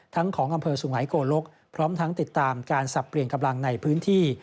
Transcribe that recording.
ของอำเภอสุงหายโกลกพร้อมทั้งติดตามการสับเปลี่ยนกำลังในพื้นที่